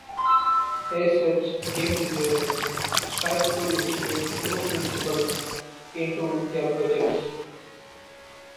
As such, game designers strive to integrate flow principles into their projects.